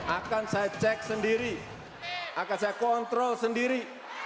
akan saya cek sendiri akan saya kontrol sendiri